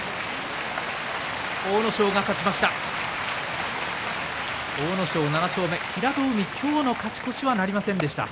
阿武咲が勝ちました。